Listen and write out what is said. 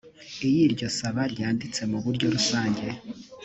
iyo iryo saba ryanditse mu buryo rusange